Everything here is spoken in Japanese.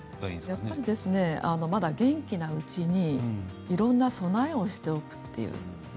やっぱり元気なうちにいろんな備えをしておくということ。